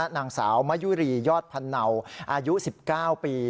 นางสาวมะยุรียอดพันเนาอายุ๑๙ปี